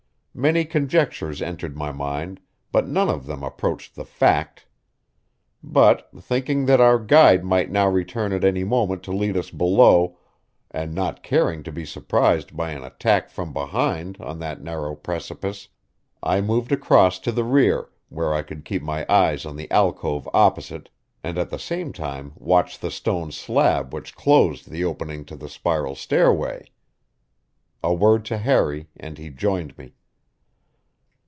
Many conjectures entered my mind, but none of them approached the fact. But, thinking that our guide might now return at any moment to lead us below, and not caring to be surprised by an attack from behind on that narrow precipice, I moved across to the rear, where I could keep my eyes on the alcove opposite, and at the same time watch the stone slab which closed the opening to the spiral stairway. A word to Harry and he joined me.